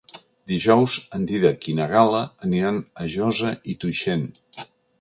Dijous en Dídac i na Gal·la aniran a Josa i Tuixén.